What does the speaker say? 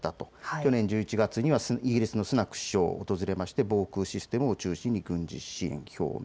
去年１１月にはイギリスのスナク首相も訪れて防空システムを中心に軍事支援表明。